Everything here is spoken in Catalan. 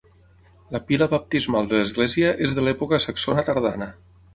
La pila baptismal de l'església és de l'època saxona tardana.